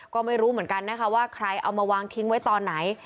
ก็ไม่รู้เหมือนกันนะคะว่าใครเอามาวางทิ้งไว้ตอนไหน